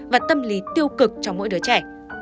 và tâm lý tiêu cực cho mỗi đứa trẻ